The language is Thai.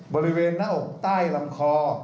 บริเวณหน้าอกใต้ลำคอ